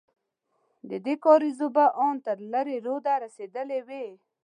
ددې کارېز اوبه ان تر لېرې روده رسېدلې وې.